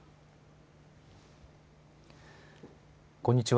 こんにちは。